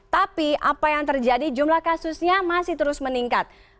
tapi apa yang terjadi jumlah kasusnya masih terus meningkat